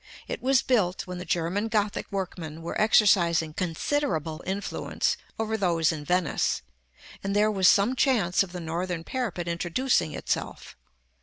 It was built when the German Gothic workmen were exercising considerable influence over those in Venice, and there was some chance of the Northern parapet introducing itself.